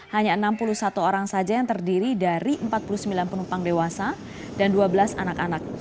hanya enam puluh satu orang saja yang terdiri dari empat puluh sembilan penumpang dewasa dan dua belas anak anak